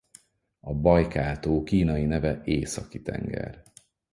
A Bajkál-tó kínai neve Északi-Tenger.